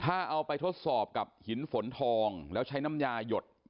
ถ้าเอาไปทดสอบกับหินฝนทองแล้วใช้น้ำยาหยด